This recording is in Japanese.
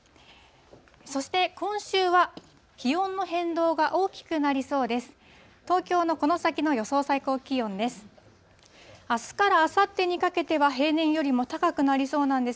そして、今週は気温の変動が大きくなりそうです。